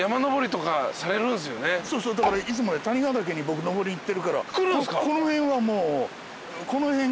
そうそうだからいつも谷川岳に僕登り行ってるからこの辺は。